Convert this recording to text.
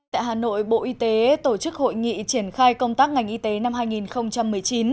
tại hà nội bộ y tế tổ chức hội nghị triển khai công tác ngành y tế năm hai nghìn một mươi chín